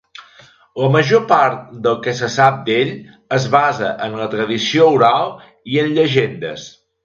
La major part del que se sap d'ell es basa en la tradició oral i en llegendes.